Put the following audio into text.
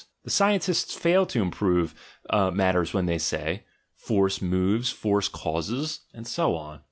The scientists fail to improve matters when they say, "Force moves, force causes," and so on.